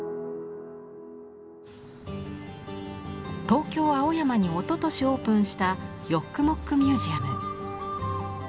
東京・青山におととしオープンしたヨックモックミュージアム。